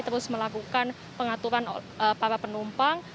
terus melakukan pengaturan para penumpang